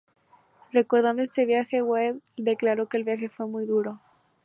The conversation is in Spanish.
Recordando este viaje, Wade declaró que el viaje fue muy duro.